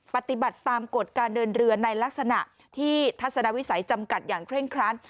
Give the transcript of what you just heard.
ปฏิบัติตามกฎการเดินเรือในลักษณะที่ทัศนวิสัยจำกัดอย่างเคร่งครัด